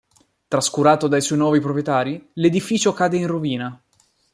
Trascurato dai suoi nuovi proprietari, l'edificio cade in rovina.